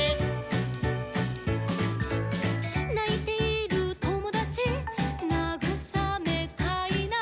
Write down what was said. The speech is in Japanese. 「ないているともだちなぐさめたいな」